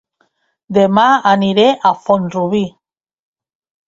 Dema aniré a Font-rubí